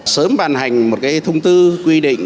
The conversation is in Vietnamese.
sớm bàn hành một cái thông tư quy định